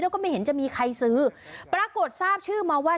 แล้วก็ไม่เห็นจะมีใครซื้อปรากฏทราบชื่อมาว่า